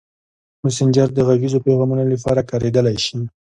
مسېنجر د غږیزو پیغامونو لپاره کارېدلی شي.